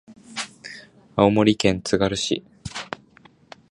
青森県つがる市